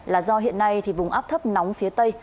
là do hiện nay thì vùng áp thấp nóng phía bắc bộ và trung bộ